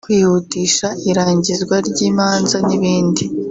kwihutisha irangizwa ry’imanza n’ibindi